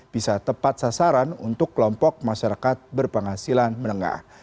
bisa tepat sasaran untuk kelompok masyarakat berpenghasilan menengah